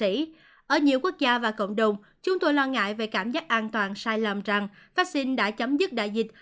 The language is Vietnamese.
ở nhiều quốc gia và cộng đồng chúng tôi lo ngại về cảm giác an toàn sai lầm rằng vaccine đã chấm dứt đại dịch